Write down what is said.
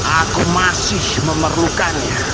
aku masih memerlukannya